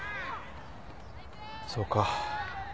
そうか。